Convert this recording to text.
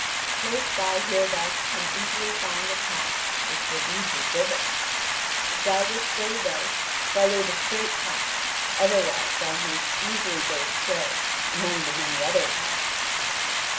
Close by here thou canst easily find a path which will lead thee thither. If thou wouldst go aright, follow the straight path, otherwise thou mayst easily go astray among the many other paths.